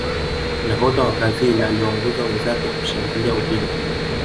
nahodha wa brazil aliwaongoza wenzake kushangilia ubingwa